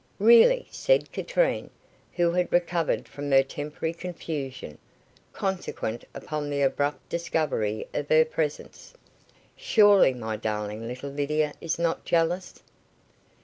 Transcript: "Really," said Katrine, who had recovered from her temporary confusion, consequent upon the abrupt discovery of her presence. "Surely, my darling little Lydia is not jealous?"